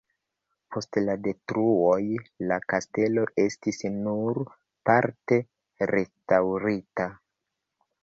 Post la detruoj la kastelo estis nur parte restaŭrita.